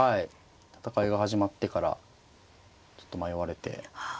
戦いが始まってからちょっと迷われて。